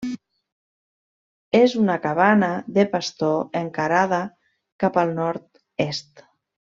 És una cabana de pastor encarada cap al nord-est.